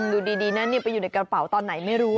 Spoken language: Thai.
ดูดีนะไปอยู่ในกระเป๋าตอนไหนไม่รู้